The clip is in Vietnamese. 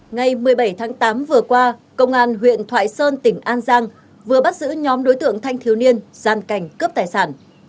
ngày một mươi bảy tháng tám vừa qua công an huyện thoại sơn tỉnh an giang vừa bắt giữ nhóm đối tượng thanh thiếu niên gian cảnh cướp tài sản